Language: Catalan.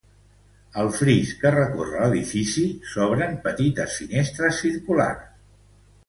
Al fris que recorre l'edifici s'obren petites finestres circulars.